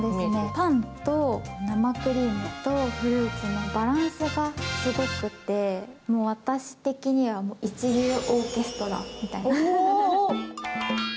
パンと生クリームとフルーツのバランスがすごくて、もう私的には一流オーケストラみたいな。